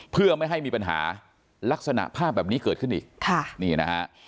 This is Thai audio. เพื่อไม่ให้มีปัญหาลักษณะภาพแบบนี้เกิดขึ้นอีก